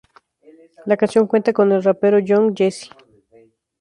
La canción cuenta con el rapero Young Jeezy.